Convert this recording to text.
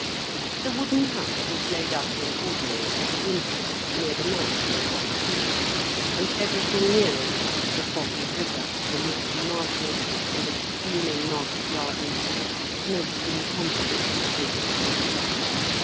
The wooden house was laid up in ordinary for the winter, near the mouth of a muddy creek; and everything near it, the foggy river, the misty marshes, and the steaming market gardens, smoked in company with the grizzled man.